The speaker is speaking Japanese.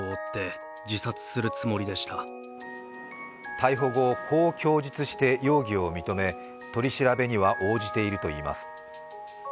逮捕後、こう供述して容疑を認め取り調べには応じているといいます。